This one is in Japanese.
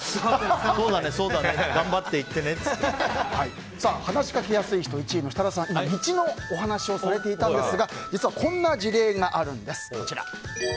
そうだね、そうだね話しかけやすい人、１位の設楽さん道のお話をされていたんですが実はこんな事例があるんです。